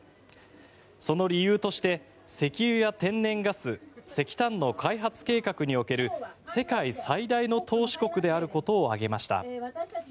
その理由として、石油や天然ガス石炭の開発計画における世界最大の投資国であることを挙げました。